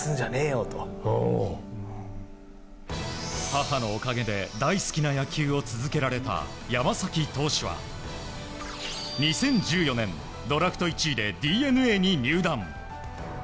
母のおかげで大好きな野球を続けられた山崎投手は２０１４年、ドラフト１位でＤｅＮＡに入団。